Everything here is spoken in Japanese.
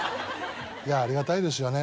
いやありがたいですよね